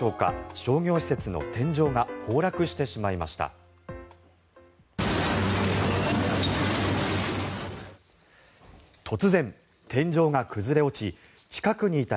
商業施設の天井が崩落してしまいました。